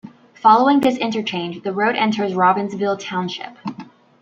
Following this interchange, the road enters Robbinsville Township.